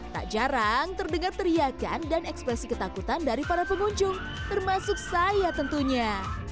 tak jarang terdengar teriakan dan ekspresi ketakutan dari para pengunjung termasuk saya tentunya